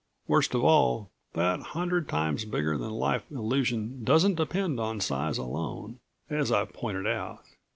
Worst of all, that hundred times bigger than life illusion doesn't depend on size alone, as I've pointed out.